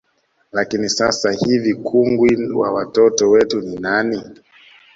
Lakini sasa hivi kungwi wa watoto wetu ni nani